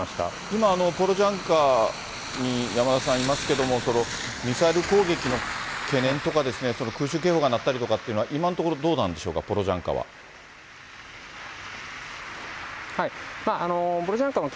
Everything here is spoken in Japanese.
今、ボロジャンカに山田さん、いますけれども、ミサイル攻撃の懸念とか、空襲警報が鳴ったりとかっていうのは、今のところどうなんでしょうか、ボロジャンカは。